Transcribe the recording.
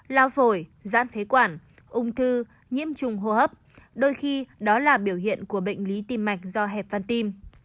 lao phổi giãn phế quản ung thư nhiễm trùng hô hấp đôi khi đó là biểu hiện của bệnh lý tim mạch do hẹp van tim